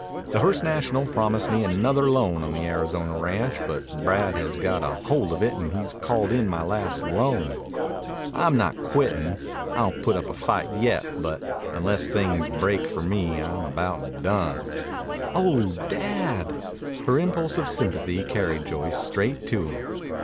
The First National promised me another loan on the Arizona ranch, but Brad has got a holt of it and he's called in my last loan. I'm not quittin'. I'll put up a fight yet, but unless things break for me I'm about done." "Oh, Dad!" Her impulse of sympathy carried Joyce straight to him.